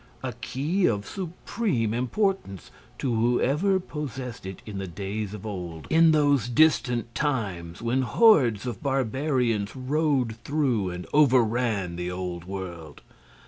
A key of supreme importance to whoever possessed it in the days of old, in those distant times when hordes of barbarians rode through and overran the old world!